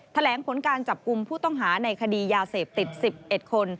แถลงผลการจับกลุ่มผู้ต้องหาในคดียาเสพติด๑๑คน